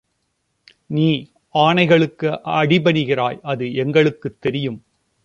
நீ ஆணைகளுக்கு அடிபணிகிறாய் அது எங்களுக்குத் தெரியும்.